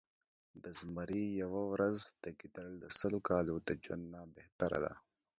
د زمري يؤه ورځ د ګیدړ د سلو کالو د ژؤند نه بهتره ده